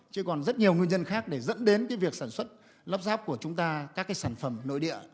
chứ còn rất nhiều nguyên nhân khác để dẫn đến việc sản xuất lắp ráp của chúng ta các cái sản phẩm nội địa